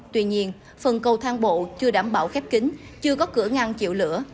tuy nhiên phần cầu thang bộ chưa đảm bảo khép kính chưa có cửa ngang chịu lửa